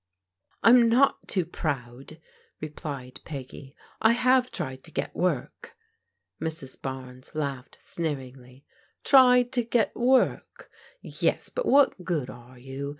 " I'm not too proud," replied Peggy. " I have tried to get work." Mrs. Barnes laughed sneeringly. "Tried to get work! Yes, but what good are you?